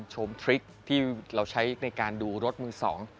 ชมทริคที่เราใช้ในการดูรถมือสอง